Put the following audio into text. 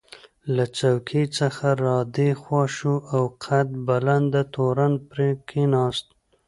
له څوکۍ څخه را دې خوا شو او قد بلنده تورن پرې کېناست.